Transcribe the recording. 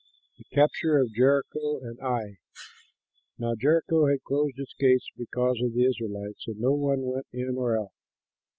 THE CAPTURE OF JERICHO AND AI Now Jericho had closed its gates because of the Israelites, and no one went in or out.